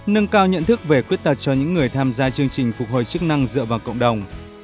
nâng cao nhận thức về khuyết tật cho những người tham gia chương trình phục hồi chức năng dựa vào cộng đồng